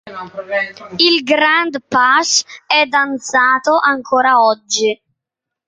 Il "Grand Pas" è danzato ancora oggi.